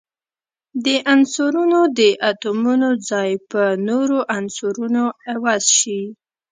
د عنصرونو د اتومونو ځای په نورو عنصرونو عوض شي.